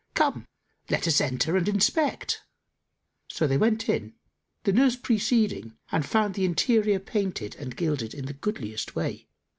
Come, let us enter and inspect." So they went in, the nurse preceding, and found the interior painted and gilded in the goodliest way.